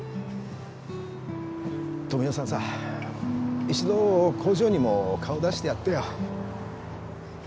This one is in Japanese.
富生さんさ１度工場にも顔出してやってよ。